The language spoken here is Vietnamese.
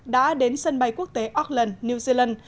đã đến sân bay quốc tế auckland new zealand